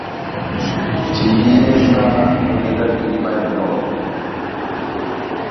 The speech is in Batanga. Timbiyɛhɛ mba dɔlɛ dami dibalɛnɔ ová.